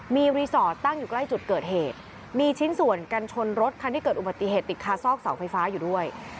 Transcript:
มีรีสอร์ทตั้งอยู่ใกล้จุดเกิดเหตุมีชิ้นส่วนกันชนรถคันที่เกิดอุบัติเหตุติดคาซอกเสาไฟฟ้าอยู่ด้วย